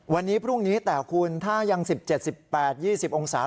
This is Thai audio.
วันนี้พรุ่งนี้แต่คุณถ้ายัง๑๗๑๘๒๐องศา